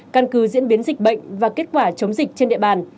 căn cứ diễn biến dịch bệnh và kết quả chống dịch trên địa bàn